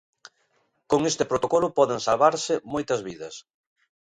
Con este protocolo poden salvarse moitas vidas.